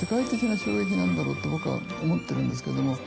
なんだろうと僕は思ってるんですけども。